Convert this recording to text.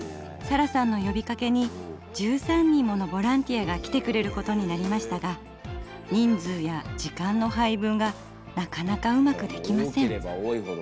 サラさんの呼びかけに１３人ものボランティアが来てくれることになりましたが人数や時間の配分がなかなかうまくできません。